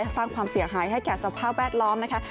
สร้างความเสียหายให้แก่สภาพแวดล้อมนะคะ